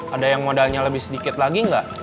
ada yang modalnya lebih sedikit lagi nggak